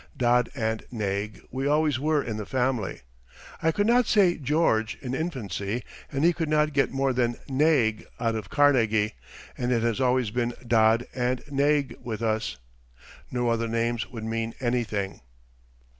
"Dod" and "Naig" we always were in the family. I could not say "George" in infancy and he could not get more than "Naig" out of Carnegie, and it has always been "Dod" and "Naig" with us. No other names would mean anything.